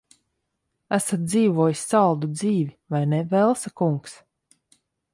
Esat dzīvojis saldu dzīvi, vai ne, Velsa kungs?